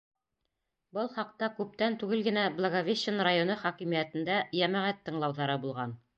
Был хаҡта күптән түгел генә Благовещен районы хакимиәтендә йәмәғәт тыңлауҙары булған.